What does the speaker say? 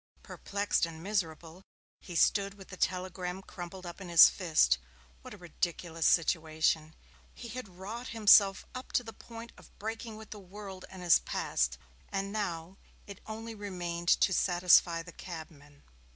Perplexed and miserable, he stood with the telegram crumpled up in his fist. What a ridiculous situation! He had wrought himself up to the point of breaking with the world and his past, and now it only remained to satisfy the cabman!